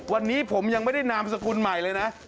วันนี้ผมยังไม่ได้นามสกุลใหม่เลยนะ